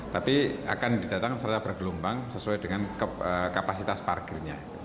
tapi akan didatangkan secara bergelombang sesuai dengan kapasitas parkirnya